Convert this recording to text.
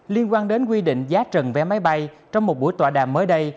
liên quan đến quy định giá trần vé máy bay trong một buổi tọa đàm mới đây